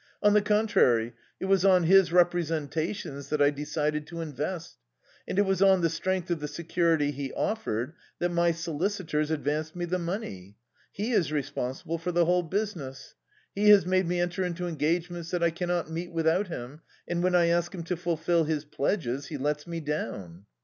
On the contrary, it was on his representations that I decided to invest. And it was on the strength of the security he offered that my solicitors advanced me the money. He is responsible for the whole business; he has made me enter into engagements that I cannot meet without him, and when I ask him to fulfil his pledges he lets me down."